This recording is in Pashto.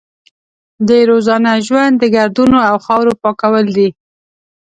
د روزانه ژوند د ګردونو او خاورو پاکول دي.